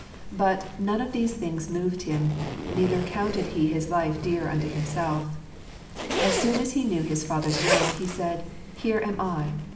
But "none of these things moved him, neither counted he his life dear unto himself." As soon as he knew his father's will, he said, " Here am I."